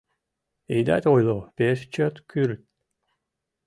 — Идат ойло, пеш чот кӱрыт!